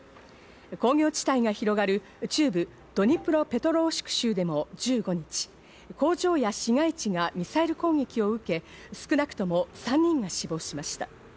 工業地帯が広がる中部ドニプロペトロウシク州でも１５日、工場や市街地がミサイル攻撃を受け、少なくとも３人が死亡しました。